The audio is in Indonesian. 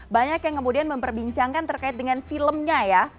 banyak yang kemudian memperbincangkan terkait dengan filmnya ya